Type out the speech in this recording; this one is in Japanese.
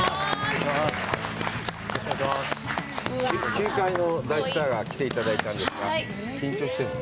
球界の大スターが来ていただいたんですが、緊張してるの？